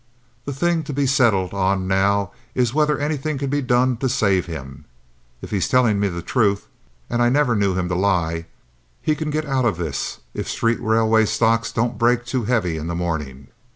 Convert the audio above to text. The thing to be settled on now is whether anything can be done to save him. If he's tellin' me the truth—and I never knew him to lie—he can get out of this if street railway stocks don't break too heavy in the mornin'.